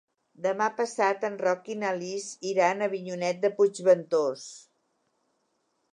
Demà passat en Roc i na Lis iran a Avinyonet de Puigventós.